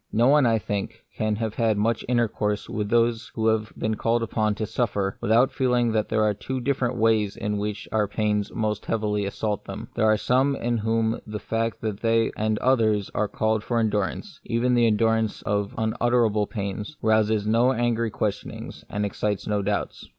No one, I think,* can have had much intercourse with those who have been called upon to suffer, without feel ing that there are two different ways in which their pains most heavily assault them. There are some in whom the fact that they and others are called on for endurance — even the endurance of unutterable pains — rouses no angry questionings, and excites no doubts.